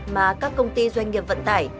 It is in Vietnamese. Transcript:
mà các công ty doanh nghiệp vận tải